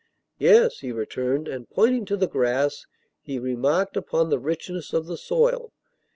"Yes," he returned; and, pointing to the grass, he remarked upon the richness of the soil.